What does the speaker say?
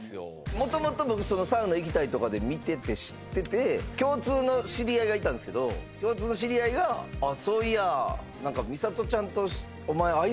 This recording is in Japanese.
元々僕サウナイキタイとかで見てて知ってて共通の知り合いがいたんですけど共通の知り合いがそういやみさとちゃんとお前合い